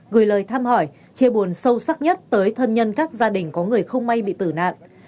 gửi lời thăm hỏi chia buồn sâu sắc nhất tới thân nhân các gia đình có người không may bị tử nạn